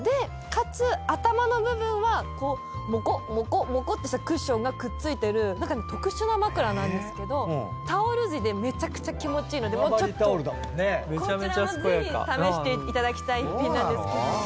かつ頭の部分はこうもこもこもこってしたクッションがくっついてる何か特殊なまくらなんですけどタオル地でめちゃくちゃ気持ちいいのでちょっとこちらもぜひ試していただきたい一品なんですけど。